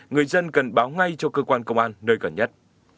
người dân cần báo ngay cho cơ quan công an nơi gần nhất